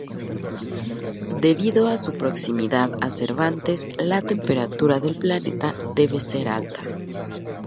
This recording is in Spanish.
Debido a su proximidad a Cervantes, la temperatura del planeta debe ser alta.